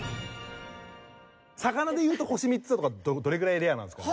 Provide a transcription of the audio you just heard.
魚でいうと星３つとかどれぐらいレアなんですかね？